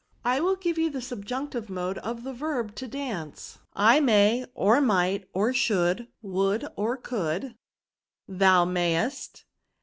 I will give you the subjunctive mode of the verb to dance« I may, or might, or should, would, or could^ dancet Thou mayest, &c.